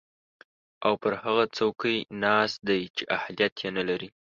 او پر هغه څوکۍ ناست دی چې اهلیت ېې نلري